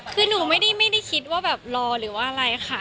คือหนูไม่ได้คิดว่าแบบรอหรือว่าอะไรค่ะ